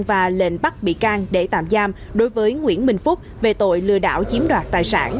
và lệnh bắt bị can để tạm giam đối với nguyễn bình phúc về tội lừa đảo chiếm đoạt tài sản